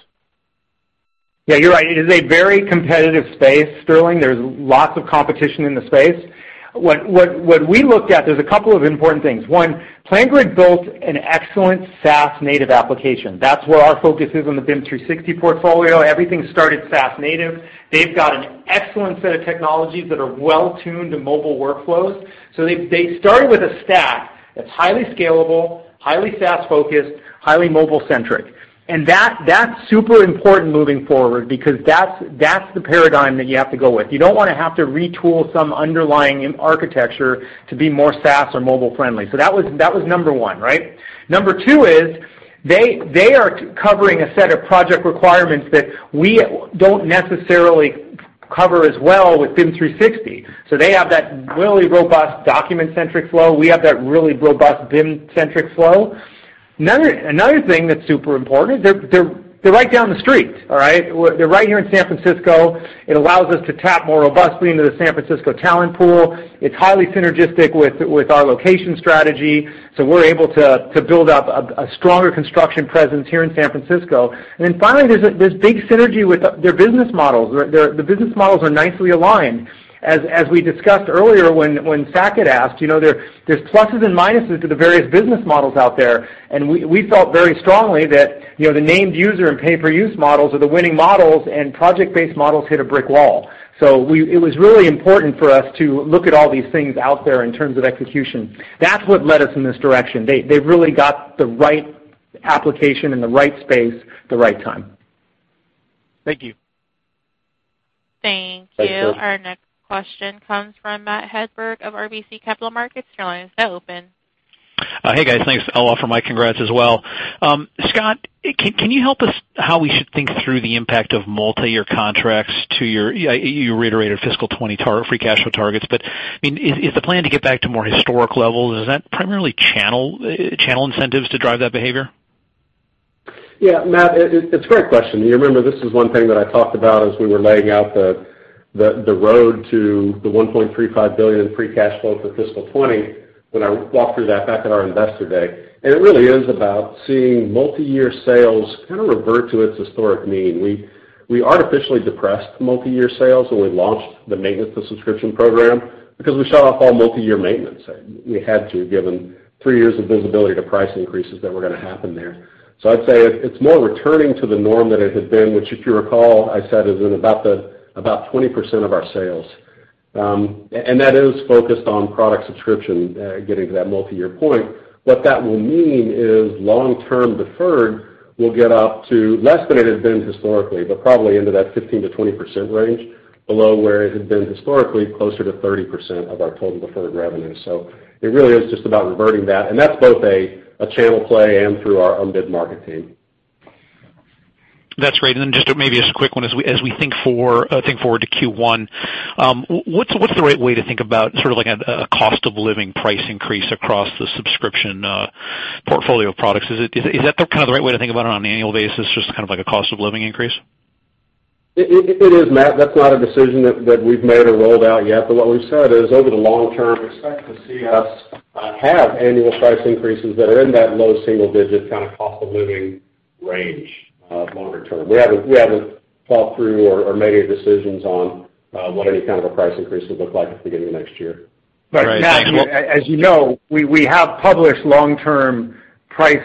You're right. It is a very competitive space, Sterling. There's lots of competition in the space. What we looked at, there's a couple of important things. One, PlanGrid built an excellent SaaS-native application. That's where our focus is on the BIM 360 portfolio. Everything started SaaS-native. They've got an excellent set of technologies that are well-tuned to mobile workflows. They started with a stack that's highly scalable, highly SaaS-focused, highly mobile-centric. That's super important moving forward because that's the paradigm that you have to go with. You don't want to have to retool some underlying architecture to be more SaaS or mobile-friendly. That was number one, right? Number two is they are covering a set of project requirements that we don't necessarily cover as well with BIM 360. They have that really robust document-centric flow. We have that really robust BIM-centric flow. Another thing that's super important, they're right down the street. All right? They're right here in San Francisco. It allows us to tap more robustly into the San Francisco talent pool. It's highly synergistic with our location strategy. We're able to build up a stronger construction presence here in San Francisco. Finally, there's big synergy with their business models. The business models are nicely aligned. As we discussed earlier, when Saket asked, there's pluses and minuses to the various business models out there, and we felt very strongly that the named user and pay-per-use models are the winning models, and project-based models hit a brick wall. It was really important for us to look at all these things out there in terms of execution. That's what led us in this direction. They've really got the right application in the right space, the right time. Thank you. Thank you. Our next question comes from Matthew Hedberg of RBC Capital Markets. Your line is now open. Hey, guys. Thanks. I'll offer my congrats as well. Scott, can you help us how we should think through the impact of multi-year contracts to your You reiterated fiscal 2020 free cash flow targets, but is the plan to get back to more historic levels? Is that primarily channel incentives to drive that behavior? Yeah, Matt, it's a great question. You remember, this is one thing that I talked about as we were laying out the road to the $1.35 billion in free cash flow for fiscal 2020 when I walked through that back at our Investor Day. It really is about seeing multi-year sales kind of revert to its historic mean. We artificially depressed multi-year sales when we launched the maintenance to subscription program because we saw off all multi-year maintenance. We had to, given three years of visibility to price increases that were going to happen there. I'd say it's more returning to the norm that it had been, which, if you recall, I said is at about 20% of our sales. That is focused on product subscription, getting to that multi-year point. What that will mean is long-term deferred will get up to less than it has been historically, but probably into that 15%-20% range below where it had been historically, closer to 30% of our total deferred revenue. It really is just about reverting that, and that's both a channel play and through our unbid market team. That's great. Just maybe a quick one. As we think forward to Q1, what's the right way to think about a cost of living price increase across the subscription portfolio of products? Is that the right way to think about it on an annual basis, just like a cost of living increase? It is, Matt. That's not a decision that we've made or rolled out yet. What we've said is over the long term, expect to see us have annual price increases that are in that low single digit cost of living range longer term. We haven't thought through or made any decisions on what any kind of a price increase would look like at the beginning of next year. Matt, as you know, we have published long-term price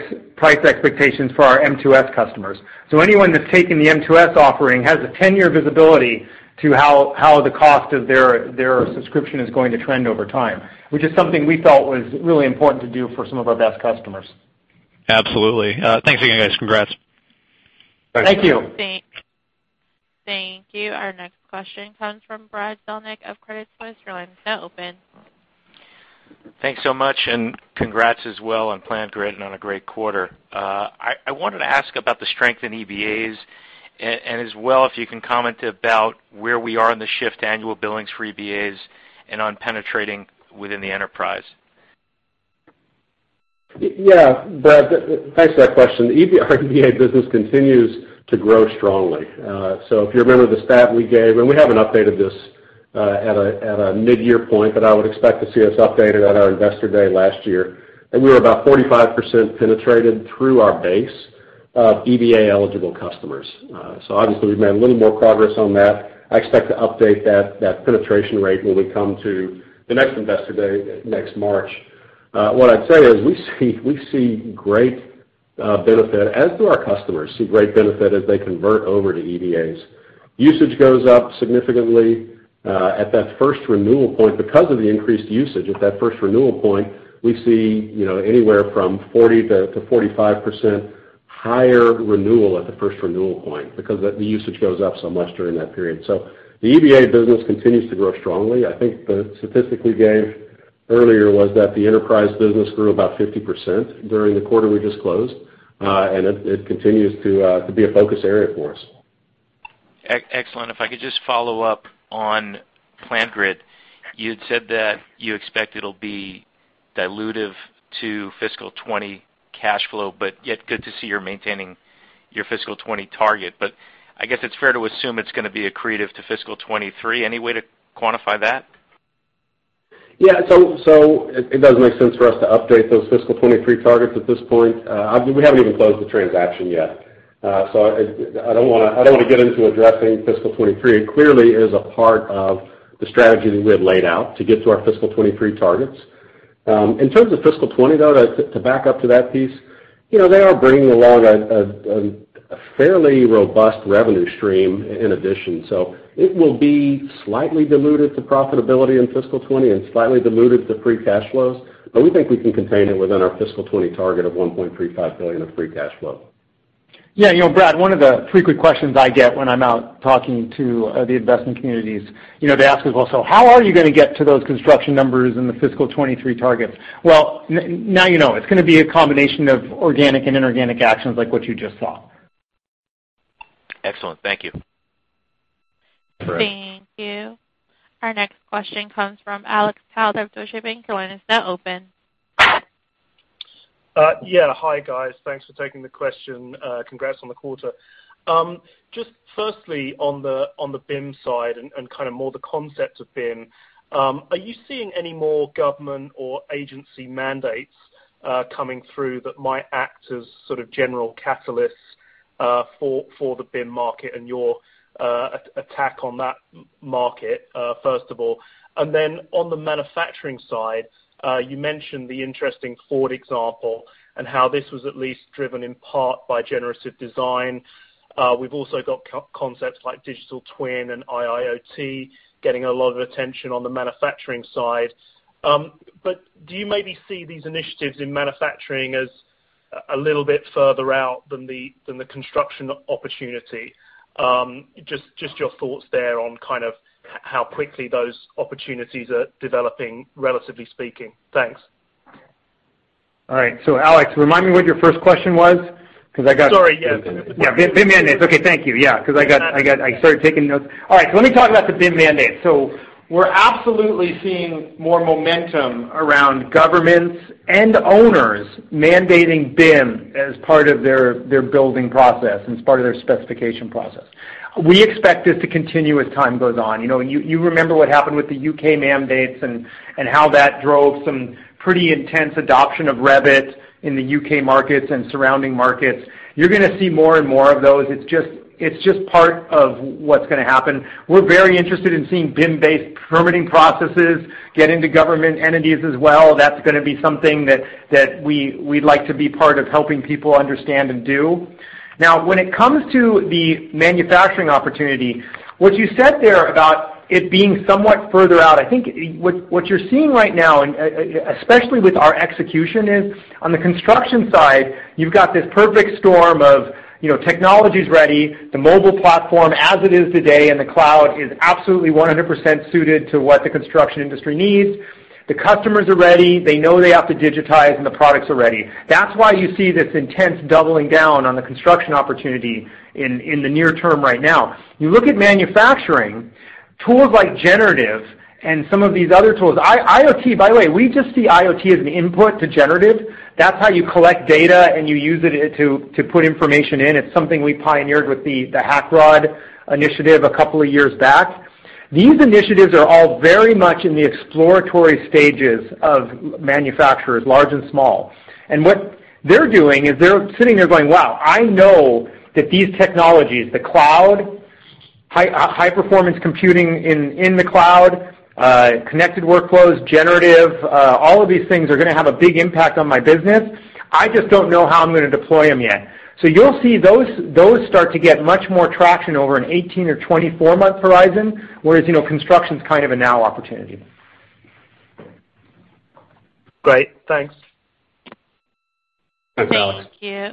expectations for our M2S customers. Anyone that's taken the M2S offering has a 10-year visibility to how the cost of their subscription is going to trend over time, which is something we felt was really important to do for some of our best customers. Absolutely. Thanks again, guys. Congrats. Thanks. Thank you. Thank you. Our next question comes from Brad Zelnick of Credit Suisse. Your line is now open. Thanks so much, and congrats as well on PlanGrid and on a great quarter. I wanted to ask about the strength in EBAs, and as well, if you can comment about where we are in the shift to annual billings for EBAs and on penetrating within the enterprise. Brad, thanks for that question. Our EBA business continues to grow strongly. If you remember the stat we gave, and we haven't updated this at a mid-year point, but I would expect to see us update it at our Investor Day last year, and we were about 45% penetrated through our base of EBA-eligible customers. Obviously, we've made a little more progress on that. I expect to update that penetration rate when we come to the next Investor Day next March. What I'd say is we see great benefit, as do our customers see great benefit as they convert over to EBAs. Usage goes up significantly at that first renewal point. Because of the increased usage at that first renewal point, we see anywhere from 40%-45% higher renewal at the first renewal point because the usage goes up so much during that period. The EBA business continues to grow strongly. I think the statistic we gave earlier was that the enterprise business grew about 50% during the quarter we just closed, and it continues to be a focus area for us. Excellent. If I could just follow up on PlanGrid. You had said that you expect it'll be dilutive to fiscal 2020 cash flow, but yet good to see you're maintaining your fiscal 2020 target. I guess it's fair to assume it's going to be accretive to fiscal 2023. Any way to quantify that? It doesn't make sense for us to update those fiscal 2023 targets at this point. We haven't even closed the transaction yet. I don't want to get into addressing fiscal 2023. It clearly is a part of the strategy that we had laid out to get to our fiscal 2023 targets. In terms of fiscal 2020, though, to back up to that piece, they are bringing along a fairly robust revenue stream in addition. It will be slightly dilutive to profitability in fiscal 2020 and slightly dilutive to free cash flows, but we think we can contain it within our fiscal 2020 target of $1.35 billion of free cash flow. Yeah, Brad, one of the frequent questions I get when I'm out talking to the investment communities, they ask as well, "How are you going to get to those construction numbers in the fiscal 2023 targets?" Well, now you know. It's going to be a combination of organic and inorganic actions like what you just saw. Excellent. Thank you. All right. Thank you. Our next question comes from Alex Powell of Deutsche Bank. Your line is now open. Yeah. Hi, guys. Thanks for taking the question. Congrats on the quarter. Just firstly, on the BIM side and kind of more the concept of BIM, are you seeing any more government or agency mandates coming through that might act as sort of general catalysts for the BIM market and your attack on that market, first of all? On the manufacturing side, you mentioned the interesting Ford example and how this was at least driven in part by generative design. We've also got concepts like digital twin and IIoT getting a lot of attention on the manufacturing side. Do you maybe see these initiatives in manufacturing as a little bit further out than the construction opportunity? Just your thoughts there on how quickly those opportunities are developing, relatively speaking. Thanks. All right. Alex, remind me what your first question was, because I got- Sorry, yeah. Yeah, BIM mandates. Okay. Thank you. Yeah. I started taking notes. All right. Let me talk about the BIM mandate. We're absolutely seeing more momentum around governments and owners mandating BIM as part of their building process and as part of their specification process. We expect this to continue as time goes on. You remember what happened with the U.K. mandates and how that drove some pretty intense adoption of Revit in the U.K. markets and surrounding markets. You're going to see more and more of those. It's just part of what's going to happen. We're very interested in seeing BIM-based permitting processes get into government entities as well. That's going to be something that we'd like to be part of helping people understand and do. When it comes to the manufacturing opportunity, what you said there about it being somewhat further out, I think what you're seeing right now, especially with our execution, is on the construction side, you've got this perfect storm of technology's ready, the mobile platform as it is today, and the cloud is absolutely 100% suited to what the construction industry needs. The customers are ready. They know they have to digitize, and the products are ready. That's why you see this intense doubling down on the construction opportunity in the near term right now. You look at manufacturing, tools like generative and some of these other tools. IoT, by the way, we just see IoT as an input to generative. That's how you collect data, and you use it to put information in. It's something we pioneered with the Hackrod initiative a couple of years back. These initiatives are all very much in the exploratory stages of manufacturers, large and small. What they're doing is they're sitting there going, "Wow, I know that these technologies, the cloud, high-performance computing in the cloud, connected workflows, generative, all of these things are going to have a big impact on my business. I just don't know how I'm going to deploy them yet." You'll see those start to get much more traction over an 18 or 24-month horizon, whereas, construction's kind of a now opportunity. Great. Thanks. Thanks, Alex. Thank you.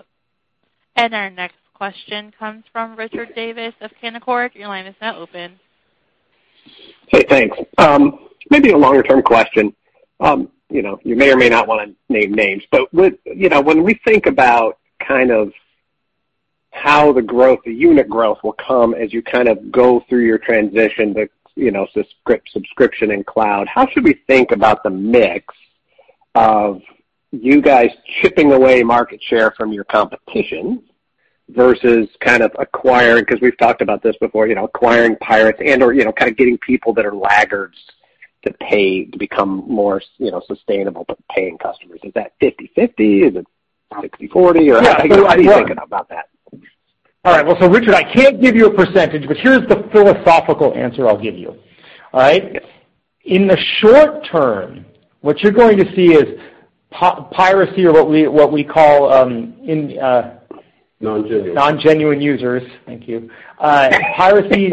Our next question comes from Richard Davis of Canaccord. Your line is now open. Hey, thanks. Maybe a longer-term question. When we think about how the unit growth will come as you go through your transition to subscription and cloud, how should we think about the mix of you guys chipping away market share from your competition versus acquiring, because we've talked about this before, acquiring pirates and/or getting people that are laggards to become more sustainable but paying customers. Is that 50/50? Is it 60/40? How are you thinking about that? All right. Well, Richard, I can't give you a percentage. Here's the philosophical answer I'll give you. All right? In the short term, what you're going to see is piracy or what we call Non-genuine Thank you. Piracy,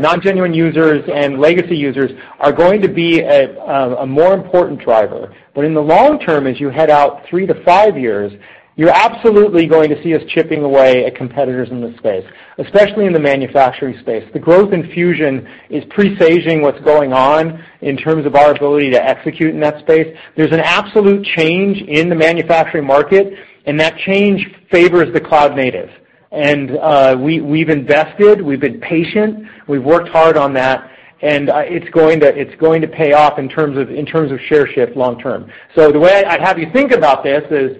non-genuine users and legacy users are going to be a more important driver. In the long term, as you head out three to five years, you're absolutely going to see us chipping away at competitors in this space, especially in the manufacturing space. The growth in Fusion is presaging what's going on in terms of our ability to execute in that space. There's an absolute change in the manufacturing market, and that change favors the cloud native. We've invested, we've been patient, we've worked hard on that, and it's going to pay off in terms of share shift long term. The way I'd have you think about this is,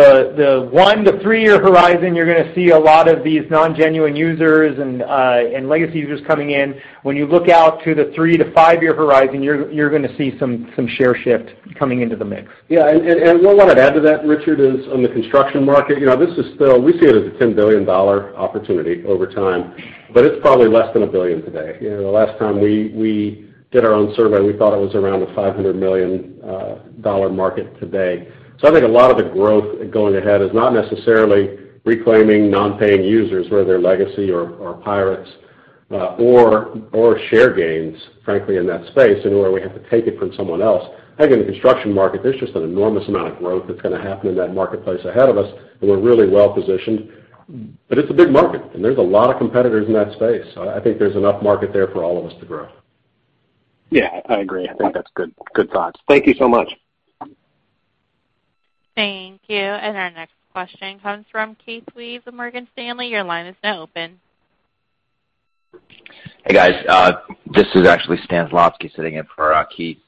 the one to three-year horizon, you're going to see a lot of these non-genuine users and legacy users coming in. When you look out to the three to five-year horizon, you're going to see some share shift coming into the mix. Yeah. What I'd add to that, Richard, is on the construction market. We see it as a $10 billion opportunity over time, but it's probably less than a billion today. The last time we did our own survey, we thought it was around a $500 million market today. I think a lot of the growth going ahead is not necessarily reclaiming non-paying users, whether they're legacy or pirates, or share gains, frankly, in that space in where we have to take it from someone else. I think in the construction market, there's just an enormous amount of growth that's going to happen in that marketplace ahead of us, and we're really well-positioned. It's a big market, and there's a lot of competitors in that space. I think there's enough market there for all of us to grow. Yeah, I agree. I think that's good thoughts. Thank you so much. Thank you. Our next question comes from Keith Weiss of Morgan Stanley. Your line is now open. Hey, guys. This is actually Stan Zlotnik sitting in for Keith.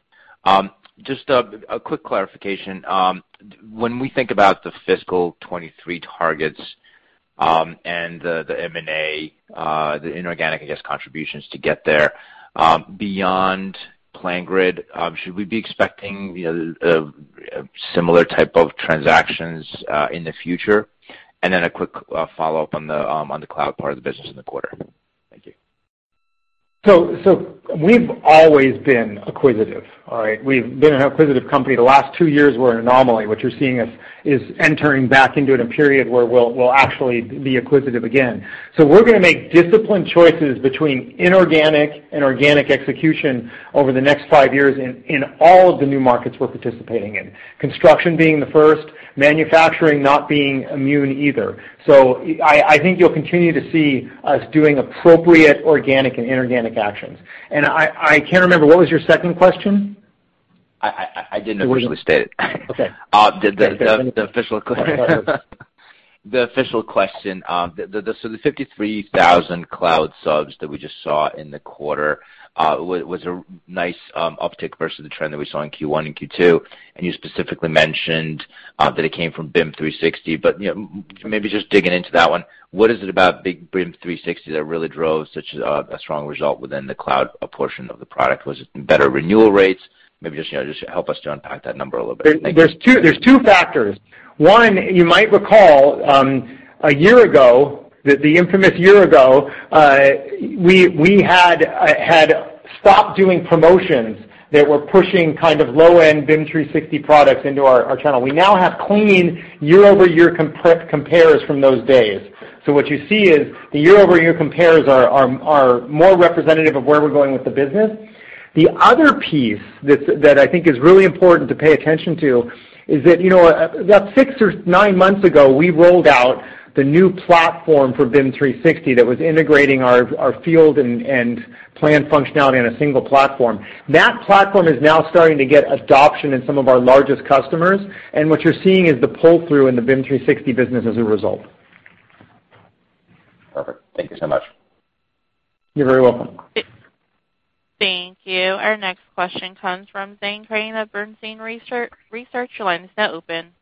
Just a quick clarification. When we think about the fiscal 2023 targets, the M&A, the inorganic, I guess, contributions to get there. Beyond PlanGrid, should we be expecting a similar type of transactions in the future? A quick follow-up on the cloud part of the business in the quarter. Thank you. We've always been acquisitive. All right? We've been an acquisitive company. The last two years were an anomaly. What you're seeing is entering back into a period where we'll actually be acquisitive again. We're going to make disciplined choices between inorganic and organic execution over the next five years in all of the new markets we're participating in, construction being the first, manufacturing not being immune either. I think you'll continue to see us doing appropriate organic and inorganic actions. I can't remember, what was your second question? I didn't officially state it. Okay. The official question. The 53,000 cloud subs that we just saw in the quarter, was a nice uptick versus the trend that we saw in Q1 and Q2. You specifically mentioned that it came from BIM 360. Maybe just digging into that one, what is it about big BIM 360 that really drove such a strong result within the cloud portion of the product? Was it better renewal rates? Maybe just help us to unpack that number a little bit. Thank you. There's two factors. One, you might recall, a year ago, the infamous year ago, we had stopped doing promotions that were pushing low-end BIM 360 products into our channel. We now have clean year-over-year compares from those days. What you see is the year-over-year compares are more representative of where we're going with the business. The other piece that I think is really important to pay attention to is that six or nine months ago, we rolled out the new platform for BIM 360 that was integrating our field and plan functionality on a single platform. That platform is now starting to get adoption in some of our largest customers, and what you're seeing is the pull-through in the BIM 360 business as a result. Perfect. Thank you so much. You're very welcome. Thank you. Our next question comes from Zane Chrane of Bernstein Research. Your line is now open.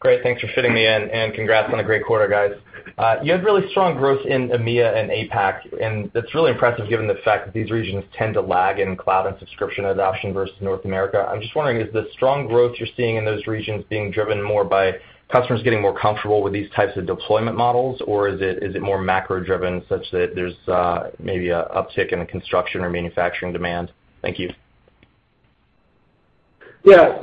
Great. Thanks for fitting me in. Congrats on a great quarter, guys. You had really strong growth in EMEA and APAC. It's really impressive given the fact that these regions tend to lag in cloud and subscription adoption versus North America. I'm just wondering, is the strong growth you're seeing in those regions being driven more by customers getting more comfortable with these types of deployment models, or is it more macro-driven such that there's maybe an uptick in the construction or manufacturing demand? Thank you. Yeah.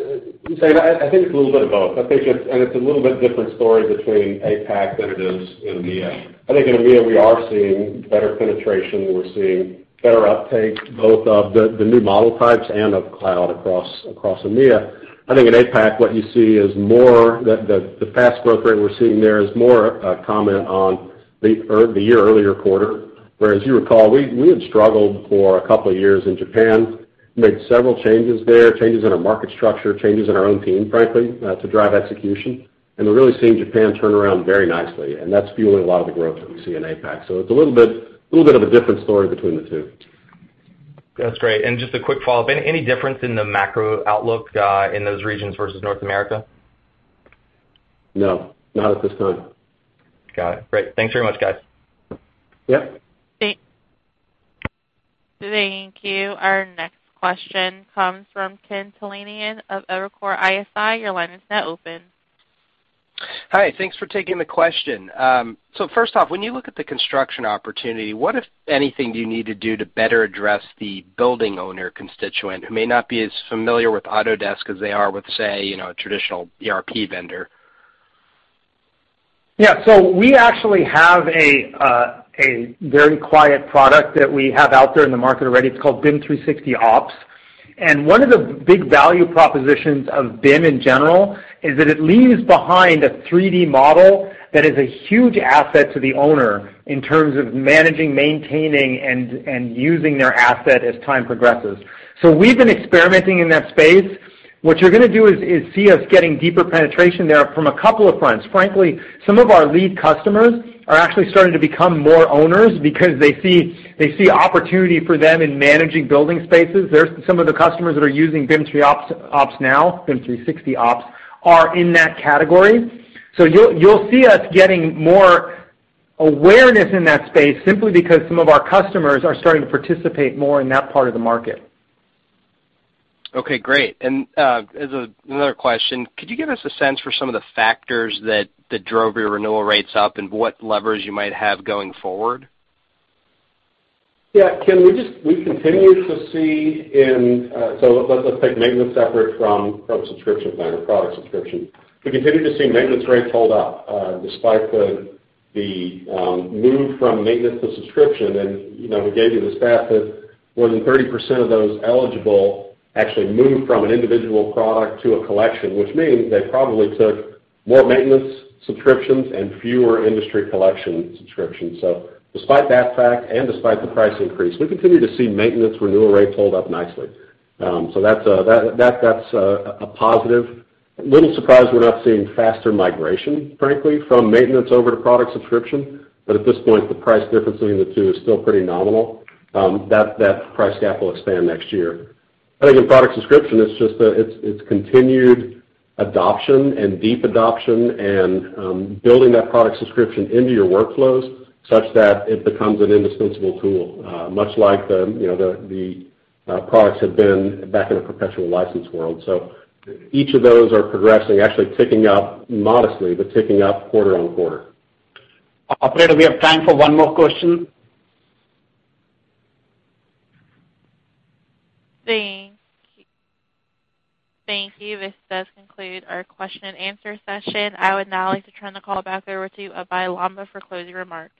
Zane, I think it's a little bit of both. I think it's a little bit different story between APAC than it is in EMEA. I think in EMEA, we are seeing better penetration. We're seeing better uptake, both of the new model types and of cloud across EMEA. I think in APAC, what you see is the fast growth rate we're seeing there is more a comment on the year earlier quarter. You recall, we had struggled for a couple of years in Japan, made several changes there, changes in our market structure, changes in our own team, frankly, to drive execution. We're really seeing Japan turn around very nicely, and that's fueling a lot of the growth that we see in APAC. It's a little bit of a different story between the two. That's great. Just a quick follow-up. Any difference in the macro outlook in those regions versus North America? No, not at this time. Got it. Great. Thanks very much, guys. Yep. Thank you. Our next question comes from Ken Talanian of Evercore ISI. Your line is now open. Hi. Thanks for taking the question. First off, when you look at the construction opportunity, what, if anything, do you need to do to better address the building owner constituent who may not be as familiar with Autodesk as they are with, say, a traditional ERP vendor? Yeah. We actually have a very quiet product that we have out there in the market already. It's called BIM 360 Ops. One of the big value propositions of BIM in general is that it leaves behind a 3D model that is a huge asset to the owner in terms of managing, maintaining, and using their asset as time progresses. We've been experimenting in that space. What you're going to do is see us getting deeper penetration there from a couple of fronts. Frankly, some of our lead customers are actually starting to become more owners because they see opportunity for them in managing building spaces. Some of the customers that are using BIM 360 Ops now are in that category. You'll see us getting more awareness in that space simply because some of our customers are starting to participate more in that part of the market. Okay, great. As another question, could you give us a sense for some of the factors that drove your renewal rates up and what levers you might have going forward? Ken, let's take maintenance separate from subscription plan or product subscription. We continue to see maintenance rates hold up, despite the move from maintenance to subscription. We gave you the stat that more than 30% of those eligible actually moved from an individual product to a collection, which means they probably took more maintenance subscriptions and fewer industry collection subscriptions. Despite that fact, and despite the price increase, we continue to see maintenance renewal rates hold up nicely. That's a positive. A little surprised we're not seeing faster migration, frankly, from maintenance over to product subscription. At this point, the price difference between the two is still pretty nominal. That price gap will expand next year. I think in product subscription, it's continued adoption and deep adoption and building that product subscription into your workflows such that it becomes an indispensable tool, much like the products have been back in the perpetual license world. Each of those are progressing, actually ticking up modestly, but ticking up quarter-on-quarter. Operator, we have time for one more question. Thank you. This does conclude our question and answer session. I would now like to turn the call back over to Abhey Lamba for closing remarks.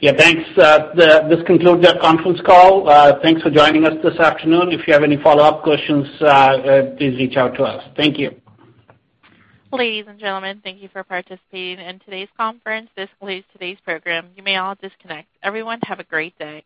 Yeah, thanks. This concludes our conference call. Thanks for joining us this afternoon. If you have any follow-up questions, please reach out to us. Thank you. Ladies and gentlemen, thank you for participating in today's conference. This concludes today's program. You may all disconnect. Everyone, have a great day.